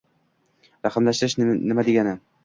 Raqamlashtirish nima degani?